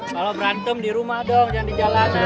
kalau berantem di rumah dong jangan di jalan